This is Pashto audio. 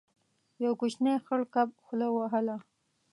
يو کوچنی خړ کب خوله وهله.